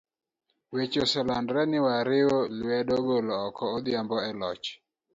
Weche oselandore ni wariwo lwedo golo oko Odhiambo e loch.